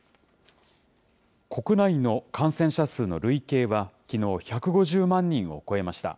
国内の感染者数の累計はきのう、１５０万人を超えました。